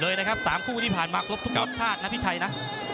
เต็มอิ่มเลยนะครับสามคู่ที่ผ่านมาครบทุกทุกชาตินะพี่ชัยนะ